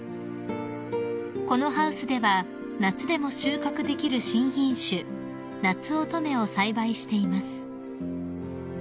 ［このハウスでは夏でも収穫できる新品種なつおとめを栽培しています］